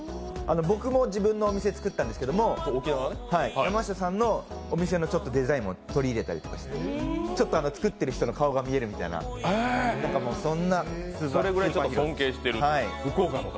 僕も自分のお店を作ったんですけど、山下さんのお店のデザインをちょっと取り入れたりして、ちょっと作ってる人の顔が見えるみたいな、そんな感じの。